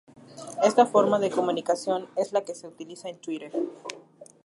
Esta forma de comunicación es la que se utiliza en Twitter.